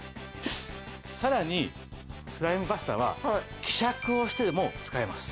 さらにスライムバスターは希釈をしてでも使えます。